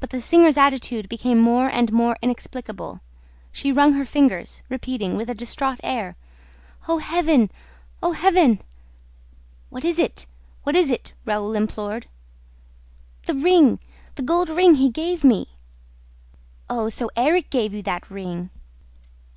But the singer's attitude became more and more inexplicable. She wrung her fingers, repeating, with a distraught air: "Oh, Heaven! Oh, Heaven!" "But what is it? What is it?" Raoul implored. "The ring ... the gold ring he gave me." "Oh, so Erik gave you that ring!"